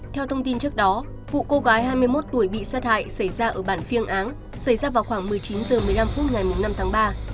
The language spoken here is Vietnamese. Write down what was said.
theo thông tin trước đó vụ cô gái hai mươi một tuổi bị sát hại xảy ra ở bản phiêng áng xảy ra vào khoảng một mươi chín h một mươi năm phút ngày năm tháng ba